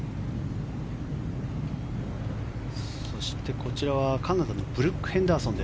そして、カナダのブルック・ヘンダーソン。